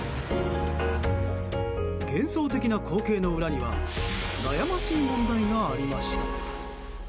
幻想的な光景の裏には悩ましい問題がありました。